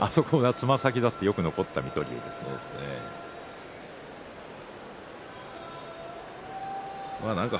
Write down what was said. つま先立ってよく残った水戸龍ですけれども。